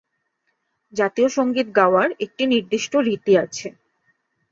জাতীয় সঙ্গীত গাওয়ার একটি নির্দিষ্ট রীতি আছে।